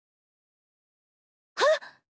はっ！